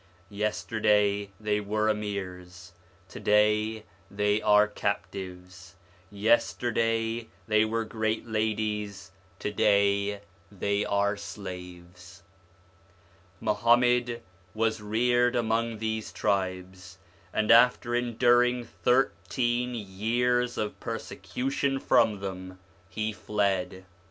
Yesterday they were Amirs, to day they are captives ; yesterday they were great ladies, to day they are slaves. Muhammad was reared among these tribes, and after enduring thirteen years of persecution from them, he fled.